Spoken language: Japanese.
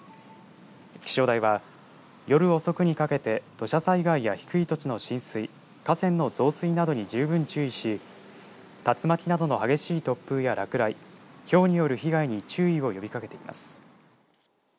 気象台は夜遅くにかけて土砂災害や低い土地の浸水、河川の増水などに十分注意し竜巻などの激しい突風や落雷、ひょうによる被害に注意を呼びかけています。